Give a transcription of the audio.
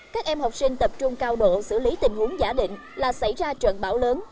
các em học sinh tập trung cao độ xử lý tình huống giả định là xảy ra trận bão lớn